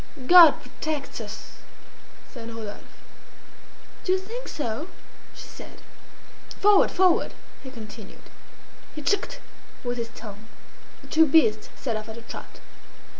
"God protects us!" said Rodolphe. "Do you think so?" she said. "Forward! forward!" he continued. He "tchk'd" with his tongue. The two beasts set off at a trot.